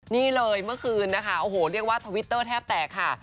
นี่เลยเมื่อคืนนะคะโอ้โหเรียกว่าทวิตเตอร์แทบแตกค่ะ